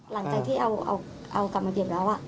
หลังจากที่เอากลับมาเก็บแล้ว